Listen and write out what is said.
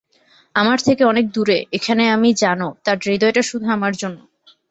আমার থেকে অনেক দূরে, এখানে আমি জানো, তার হৃদয়টা শুধু আমার জন্য।